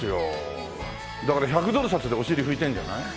だから１００ドル札でお尻拭いてんじゃない？